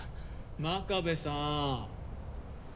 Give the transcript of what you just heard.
真壁さん。